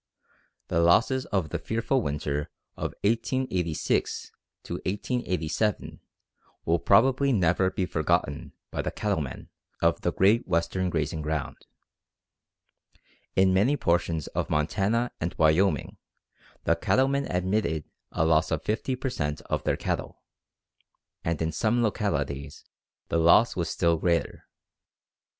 The losses of the fearful winter of 1886 '87 will probably never be forgotten by the cattlemen of the great Western grazing ground. In many portions of Montana and Wyoming the cattlemen admitted a loss of 50 per cent of their cattle, and in some localities the loss was still greater.